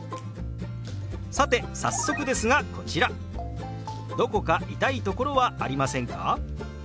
さて早速ですがこちら「どこか痛いところはありませんか？」。